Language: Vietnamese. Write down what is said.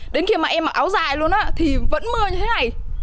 đến khi mà em mặc áo dài luôn á thì vẫn mưa như thế này